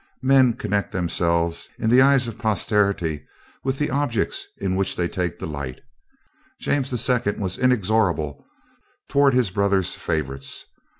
Men connect themselves, in the eyes of posterity, with the objects in which they take delight. James II. was inexorable toward his brother's favorites.